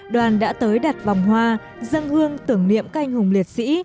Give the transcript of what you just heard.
đoàn đã tới đặt vòng hoa dâng hương tưởng niệm các anh hùng liệt sĩ